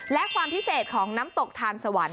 และความพิเศษของน้ำตกทานสวรรค์